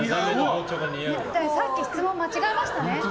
さっき、質問が違いましたね。